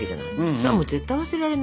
それは絶対忘れられないよね。